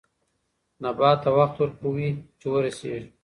نبات ته وخت ورکوي چې ورسېږي.